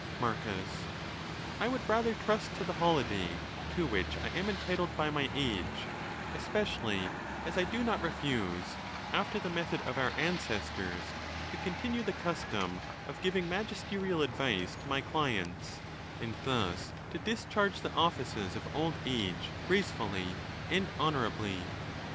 403 Marcus.—\ would rather trust to the holiday to which I am entitled by my age, especially asI do not refuse, after the method of our ancestors, to continue the custom of giving magisterial advice to my clients, and thus to discharge the offices of old age gracefully and honourably.